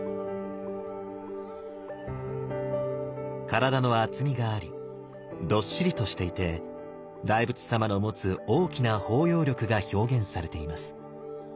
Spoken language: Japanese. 体の厚みがありどっしりとしていて大仏様の持つ大きな包容力が表現されています。